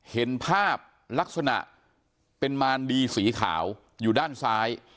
เห็นภาพลักษณะเป็นมารดีสีขาวอยู่ด้านซ้าย